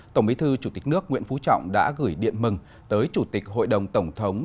tổng bí thư chủ tịch nước nguyễn phú trọng đã gửi điện mừng tới chủ tịch hội đồng tổng thống